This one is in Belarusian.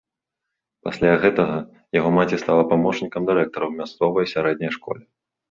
Пасля гэтага яго маці стала памочнікам дырэктара ў мясцовай сярэдняй школе.